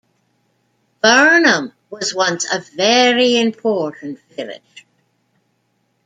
Burnham was once a very important village.